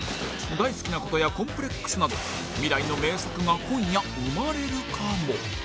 大好きな事やコンプレックスなど未来の名作が今夜生まれるかも？